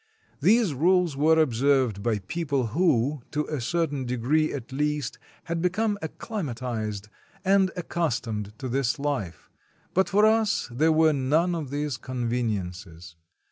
These rules were observed by people who, to a certain degree at least, had become acclimatized and accustomed to this life; but for us there were none of these conveniences.